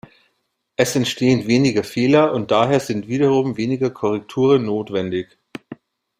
Es entstehen weniger Fehler und daher sind wiederum weniger Korrekturen notwendig.